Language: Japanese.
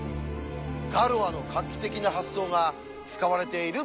ガロアの画期的な発想が使われている部分なんです。